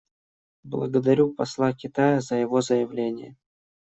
Благодарю посла Китая за его заявление.